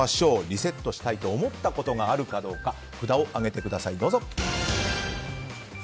リセットしたいと思ったことがあるかどうか札を上げてください、どうぞ。